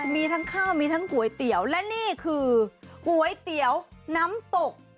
มีทั้งข้าวมีทั้งก๋วยเตี๋ยวและนี่คือก๋วยเตี๋ยวน้ำตก